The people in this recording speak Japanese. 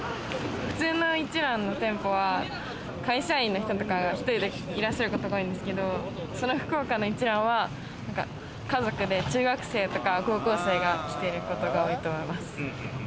普通の一蘭の店舗は会社員の人とかが１人でいらっしゃることが多いんですけど、福岡の一蘭は家族で、中学生とか高校生とかが来てることが多いと思います。